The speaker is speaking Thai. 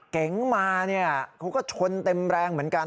เก๋งมาเนี่ยเขาก็ชนเต็มแรงเหมือนกัน